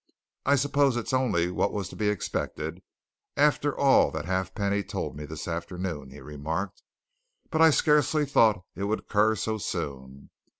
"I suppose it's only what was to be expected, after all that Halfpenny told me this afternoon," he remarked. "But I scarcely thought it would occur so soon.